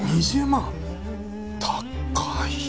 高い。